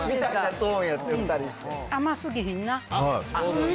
甘すぎひんな。